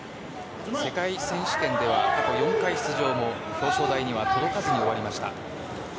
世界選手権では過去４回出場も表彰台には届かずに終わりました。